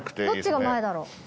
どっちが前だろう？